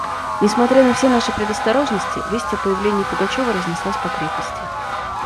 Несмотря на все наши предосторожности, весть о появлении Пугачева разнеслась по крепости.